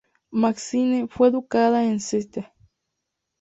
Maxine fue educada en St.